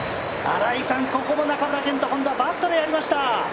新井さん、ここも中村健人、今度はバットでやりました。